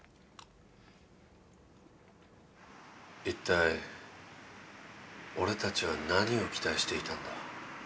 一体俺たちは何を期待していたんだ？